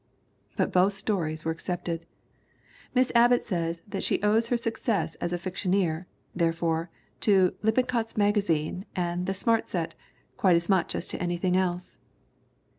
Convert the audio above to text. But both stories were accepted. Miss Abbott says that she owes her success as a fictioneer, therefore, to Lippincotfs Magazine and the Smart Set quite as much as to anything else.